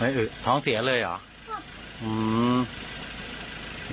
ไม่อึดท้องเสียเลยเหรออืม